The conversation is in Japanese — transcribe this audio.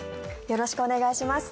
よろしくお願いします。